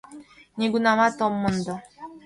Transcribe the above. Нигунамат ом мондо